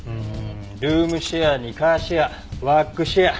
ルームシェアにカーシェアワークシェア。